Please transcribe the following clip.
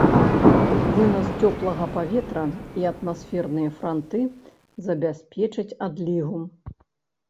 Вынас цёплага паветра і атмасферныя франты забяспечаць адлігу.